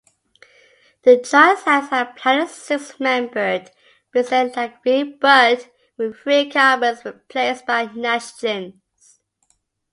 The triazines have planar six-membered benzene-like ring but with three carbons replaced by nitrogens.